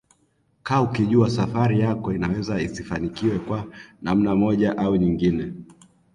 kaa ukijua safari yako inaweza isifanikiwe kwa namna moja au nyingine